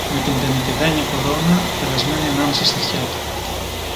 με την τενεκεδένια κορώνα περασμένη ανάμεσα στ' αυτιά του